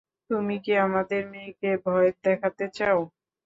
তুমি কি আমাদের মেয়েকে ভয় দেখাতে চাও?